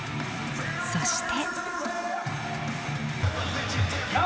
そして。